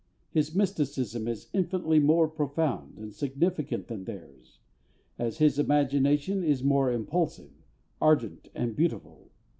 His mysticism is infinitely more profound and significant than theirs, as his imagination is more impulsive, ardent, and beautiful.